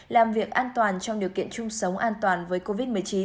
làm việc an toàn trong điều kiện chung sống an toàn với covid một mươi chín